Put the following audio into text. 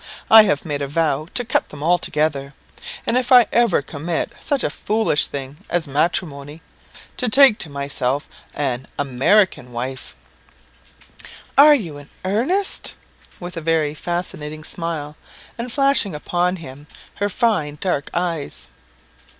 I have made a vow to cut them altogether; and if ever I commit such a foolish thing as matrimony, to take to myself an American wife." "Are you in earnest?" with a very fascinating smile, and flashing upon him her fine dark eyes.